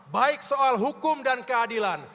baik soal hukum dan keadilan